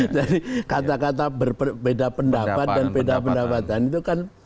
jadi kata kata berbeda pendapat dan pendapatan itu kan